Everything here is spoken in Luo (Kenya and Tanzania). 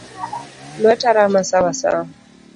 Lueta rama Sawa sawa.